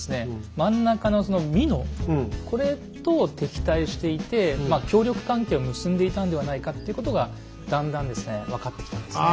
真ん中の美濃これと敵対していてまあ協力関係を結んでいたんではないかっていうことがだんだんですね分かってきたんですね。